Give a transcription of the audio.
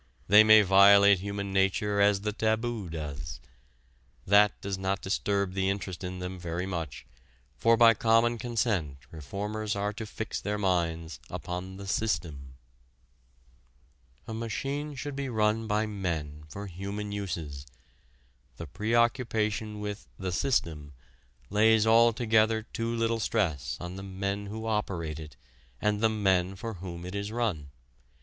They may violate human nature as the taboo does. That does not disturb the interest in them very much, for by common consent reformers are to fix their minds upon the "system." A machine should be run by men for human uses. The preoccupation with the "system" lays altogether too little stress on the men who operate it and the men for whom it is run.